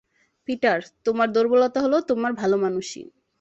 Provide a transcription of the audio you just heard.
Peter, তোমার দুর্বলতা হলো তোমার ভালোমানুষি।